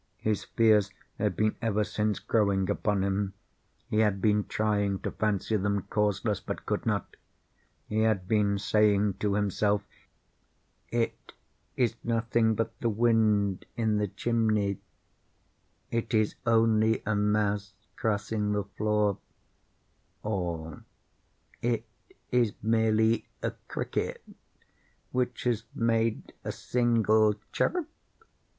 His fears had been ever since growing upon him. He had been trying to fancy them causeless, but could not. He had been saying to himself—"It is nothing but the wind in the chimney—it is only a mouse crossing the floor," or "It is merely a cricket which has made a single chirp."